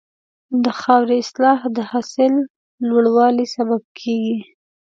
د خاورې اصلاح د حاصل لوړوالي سبب کېږي.